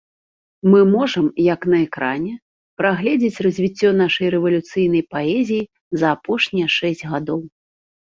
Мы можам, як на экране, прагледзець развіццё нашай рэвалюцыйнай паэзіі за апошнія шэсць гадоў.